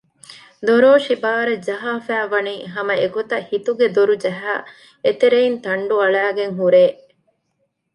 ދޮރޯށި ބާރަށް ޖަހާފައި ވަނީ ހަމަ އެގޮތަށް ހިތުގެ ދޮރުޖަހައި އެތެރެއިން ތަންޑު އަޅައިގެން ހުރޭ